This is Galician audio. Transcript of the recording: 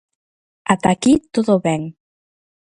Ata aquí todo ben.